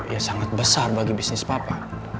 ya sangat besar bagi bisnis papa